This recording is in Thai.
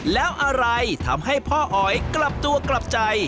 แล้วอะไรทำให้พ่ออ๋อยกลับตัวกลับใจ